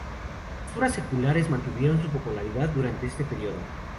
Las obras seculares mantuvieron su popularidad durante este período.